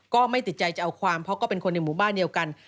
ก็ไม่ติดใจจะเอาความเพราะก็เป็นคนในหมู่บ้านเดียวกัน